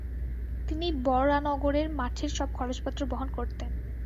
তিনিই বরানগরের মঠের সব খরচপত্র বহন করতেন।